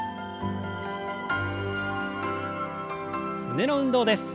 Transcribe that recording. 胸の運動です。